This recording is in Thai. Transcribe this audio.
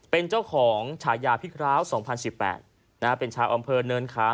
เป็นเจ้าของฉายาพี่คล้าวสองพันสิบแปดนะฮะเป็นชาวอำเภอเนินคำ